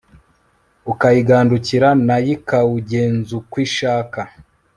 ukayigandukira na yikawugenzukw ishaka